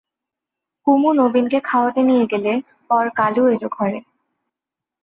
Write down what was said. কুমু নবীনকে খাওয়াতে নিয়ে গেলে পর কালু এল ঘরে।